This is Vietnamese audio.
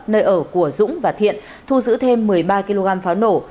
nơi ở của dũng và thiện thu giữ thêm một mươi ba kg pháo nổ